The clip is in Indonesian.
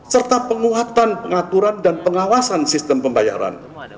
serta penguatan pengaturan dan pengawasan sistem pembayaran